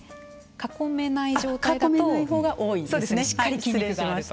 囲めないほうが多いですね。